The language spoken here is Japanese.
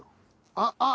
あっあっ！